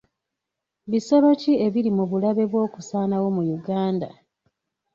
Bisolo ki ebiri mu bulabe bw'okusaanawo mu Uganda?